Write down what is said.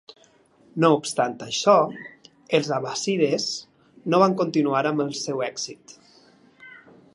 No obstant això, els abbàssides no van continuar amb el seu èxit.